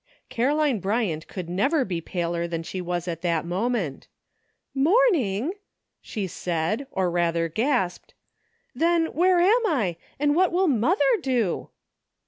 Caroline Bryant could never be paler than she was at that moment. "Morning!" she said, or rather gasped, " then where am 1, and what will mother do